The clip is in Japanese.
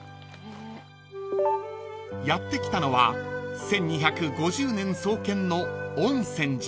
［やって来たのは１２５０年創建の］